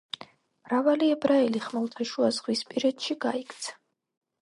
მრავალი ებრაელი ხმელთაშუაზღვისპირეთში გაიქცა.